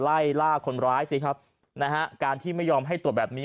ไล่ล่าคนร้ายสิครับนะฮะการที่ไม่ยอมให้ตรวจแบบนี้